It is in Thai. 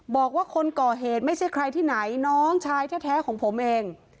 บอกว่าคนก่อเหตุไม่ใช่ใครที่ไหนน้องชายแท้ของผมเอง